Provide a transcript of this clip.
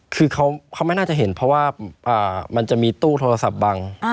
คือเขาไม่น่าจะเห็นเพราะว่ามันจะมีตู้โทรศัพท์บัง